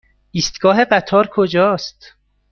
ایستگاه قطار کجاست؟